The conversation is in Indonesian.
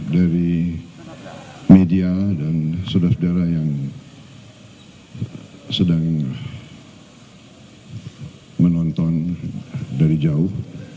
dari media dan saudara saudara yang sedang menonton dari jauh